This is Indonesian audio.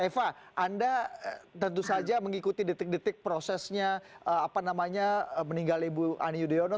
eva anda tentu saja mengikuti detik detik prosesnya meninggal ibu ani yudhoyono